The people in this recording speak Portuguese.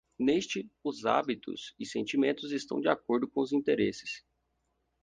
Neste os hábitos e sentimentos estão de acordo com os interesses.